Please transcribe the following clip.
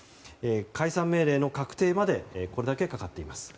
解散命令の確定までにこれだけかかっています。